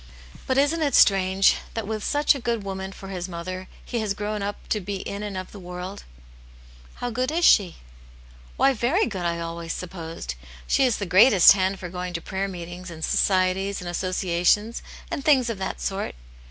But isn't it strange, that with such a good woman for his mother, he has grown up to be in and of the world ?"" How good is she ?" 1 86 Aunt Jane's Hero. " Why, very good, I always supposed. She is the greatest hand 'for going to prayer meetings, and societies and associations, and things of that sort."